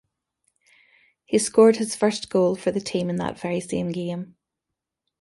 He scored his first goal for the team in that very same game.